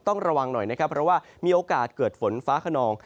ต้องระวังหน่อยนะครับเพราะว่ามีโอกาสเกิดฝนฟ้าขนอง